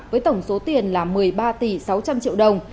với tổng số tiền là một mươi ba tỷ sáu trăm linh triệu đồng